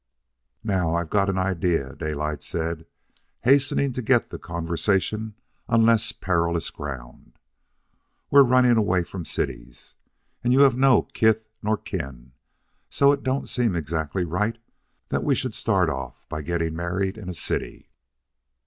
"Now, I've got an idea," Daylight said, hastening to get the conversation on less perilous ground. "We're running away from cities, and you have no kith nor kin, so it don't seem exactly right that we should start off by getting married in a city.